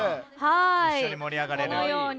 一緒に盛り上がれる。